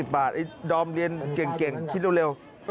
๑๐บาทไอ้ดอมเรียนเก่งคิดเร็ว